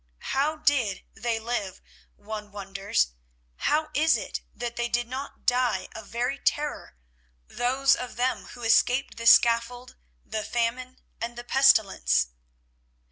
How did they live, one wonders; how is it that they did not die of very terror, those of them who escaped the scaffold, the famine and the pestilence?